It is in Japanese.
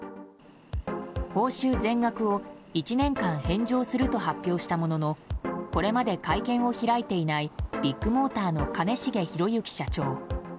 報酬全額を１年間返上すると発表したもののこれまで会見を開いていないビッグモーターの兼重宏行社長。